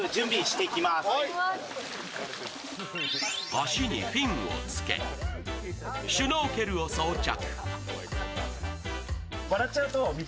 足にフィンを着け、シュノーケルを装着。